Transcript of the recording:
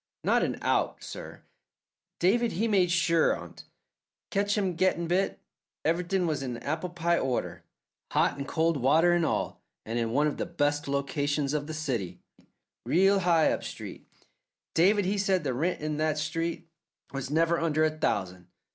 "Not an out, sir. David he made sure on't. Catch him gettin' bit. Everythin' was in apple pie order, hot an' cold water and all, and in one of the best locations of the city real high up street. David he said the rent in that street was never under a thousand.